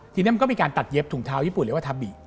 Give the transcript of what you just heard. ทีนี้มันก็มีการตัดเย็บถุงเท้าญี่ปุ่นเรียกว่าทาบิ